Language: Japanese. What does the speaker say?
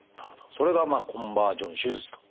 それがコンバージョン手術と。